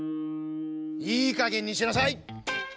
いいかげんにしなさい！